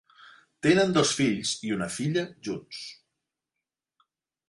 Tenen dos fills i una filla junts.